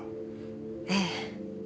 ええ。